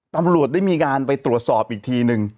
ตำรวจได้มีการไปตรวจสอบอีกทีนึง